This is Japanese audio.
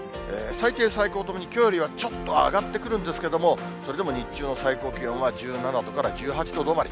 最低、最高ともにきょうよりはちょっと上がってくるんですけれども、それでも日中の最高気温は、１７度から１８度止まり。